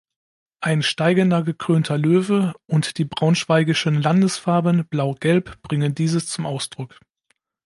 Ein steigender gekrönter Löwe und die braunschweigischen Landesfarben Blau-Gelb bringen dieses zum Ausdruck.